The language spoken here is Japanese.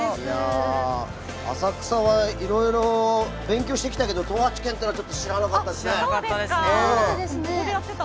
浅草はいろいろ勉強してきたけど東八拳は知らなかったですね。